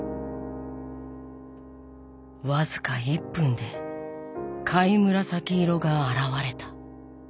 僅か１分で貝紫色が現れた。